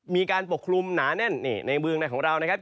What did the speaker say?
มีการปกคลุมหนาแน่นเนี่ยในเมืองของเรานะครับ